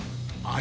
あ！